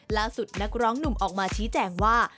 ล่าสุดนักร้องหนุ่มเอามาชี้แจกว่า